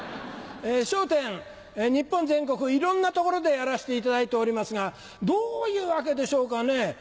『笑点』日本全国いろんな所でやらせていただいておりますがどういうわけでしょうかね。